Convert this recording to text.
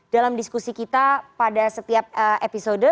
dalam diskusi kita pada setiap episode